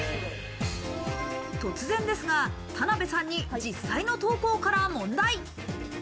突然ですが、田辺さんに実際の投稿から問題。